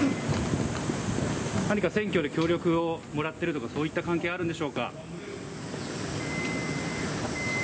何か選挙で協力をもらっているとか、そういった関係はあるんでしょうか？